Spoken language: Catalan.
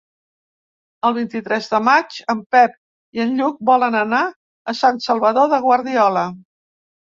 El vint-i-tres de maig en Pep i en Lluc volen anar a Sant Salvador de Guardiola.